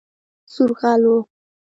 سور غل وو